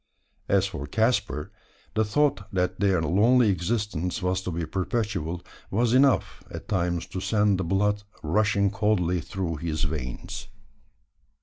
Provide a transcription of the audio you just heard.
As for Caspar, the thought that their lonely existence was to be perpetual, was enough at times to send the blood rushing coldly through his veins.